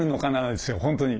ですよ本当に。